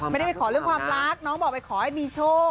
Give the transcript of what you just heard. ไม่ได้ไปขอเรื่องความรักน้องบอกไปขอให้มีโชค